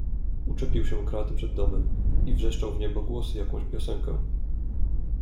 "Uczepił się kraty przed domem i wrzeszczał w niebogłosy jakąś piosenkę."